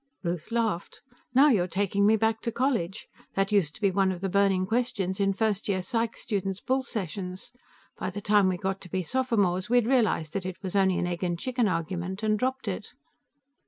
Ruth laughed. "Now you're taking me back to college. That used to be one of the burning questions in first year psych students' bull sessions. By the time we got to be sophomores, we'd realized that it was only an egg and chicken argument and dropped it."